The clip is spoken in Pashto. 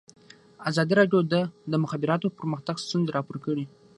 ازادي راډیو د د مخابراتو پرمختګ ستونزې راپور کړي.